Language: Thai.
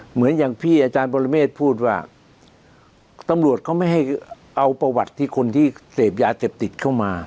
เหมือนอย่างพี่อาจารย์ปรเมฆพูดว่าตำรวจเขาไม่ให้เอาประวัติที่คนที่เสพยาเสพติดเข้ามา